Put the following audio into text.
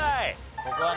ここはね